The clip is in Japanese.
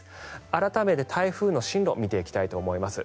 改めて台風の進路を見ていきたいと思います。